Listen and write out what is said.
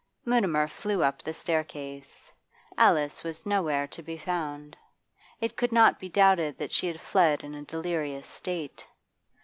Mutimer flew up the staircase. Alice was nowhere to be found. It could not be doubted that she had fled in a delirious state.